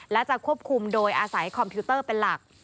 และจะควบคุมโดยอาศัยคอมพิวเตอร์เป็นหลัก